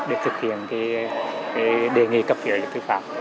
để thực hiện đề nghị cấp phiếu lý lịch tư pháp